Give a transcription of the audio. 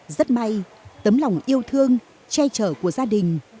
rất may tấm lòng yêu thương che chở của gia đình